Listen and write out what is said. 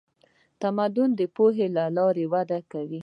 تمدن د پوهې له لارې وده کوي.